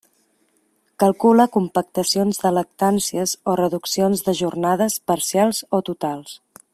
Calcula compactacions de lactàncies o reduccions de jornades, parcials o totals.